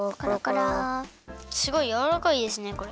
すごいやわらかいですねこれ。